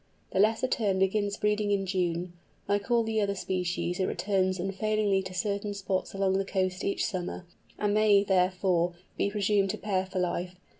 The Lesser Tern begins breeding in June. Like all the other species it returns unfailingly to certain spots along the coast each summer, and may, therefore, be presumed to pair for life.